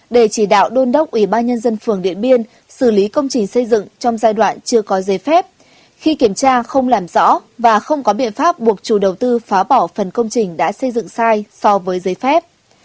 để chỉ đạo đôn đốc ủy ban nhân dân phường điện biên xử lý công trình xây dựng trong giai đoạn chưa có giấy phép khi kiểm tra không làm rõ và không có biện pháp buộc chủ đầu tư phá bỏ phần công trình đã xây dựng sai so với giấy phép